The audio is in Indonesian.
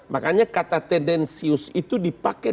makanya kata tendensius itu dipakai